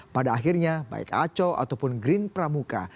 pada akhirnya baik aco ataupun green pramuka